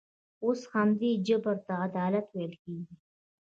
اوس همدې جبر ته عدالت ویل کېږي.